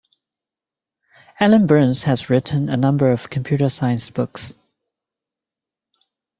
Alan Burns has written a number of computer science books.